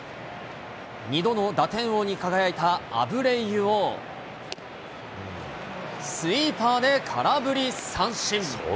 ２度の打点王に輝いたアブレイユを、スイーパーで空振り三振。